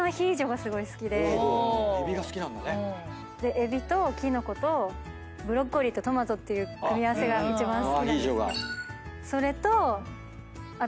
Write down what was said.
エビとキノコとブロッコリーとトマトっていう組み合わせが一番好きなんですけどそれとあと。